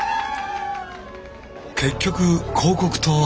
結局広告塔は。